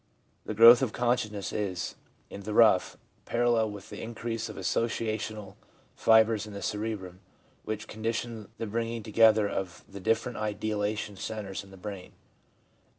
The growth of consciousness is, in the rough, parallel with the increase of associational fibres in the cerebrum, which condition the bringing together of the different ideational centres in the brain.